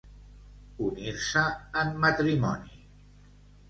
Unir-se en matrimoni.